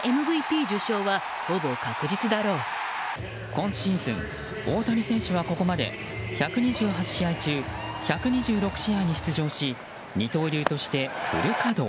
今シーズン、大谷選手はここまで１２８試合中１２６試合に出場し二刀流としてフル稼働。